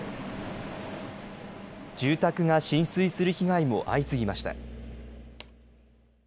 住宅が浸水する被害も相次ぎました。